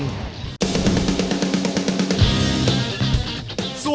อันนี้ปลาอินซียักษ์นะครับ